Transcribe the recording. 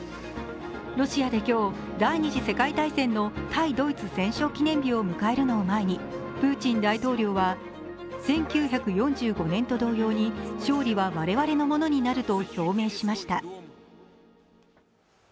ロシアで今日、第二次世界大戦の対ドイツ戦勝記念日を迎えるのを前にプーチン大統領は１９４５年と同様に勝利は我々のものになると表明しました。